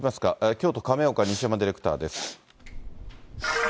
京都・亀岡、西山ディレクターです。